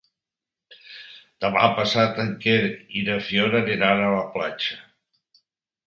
Demà passat en Quer i na Fiona aniran a la platja.